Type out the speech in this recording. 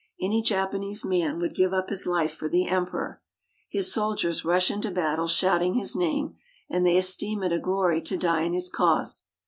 Any Japanese man would give up his life for the Emperor. His soldiers rush into battle shouting his name, and they esteem it a glory to die in his cause.